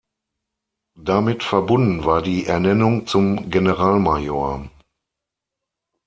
Damit verbunden war die Ernennung zum Generalmajor.